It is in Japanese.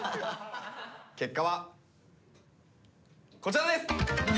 結果はこちらです！